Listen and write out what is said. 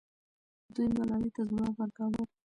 دوی ملالۍ ته ځواب ورکاوه.